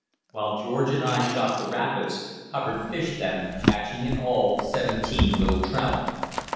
While George and I shot the rapids, Hubbard fished them, catching in all seventeen little trout.